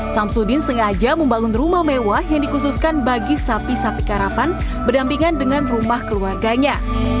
samsudin sengaja membangun rumah mewah yang dikhususkan bagi sapi sapi karapan berdampingan dengan rumah keluarganya